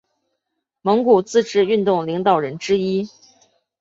蒙古自治运动领导人之一。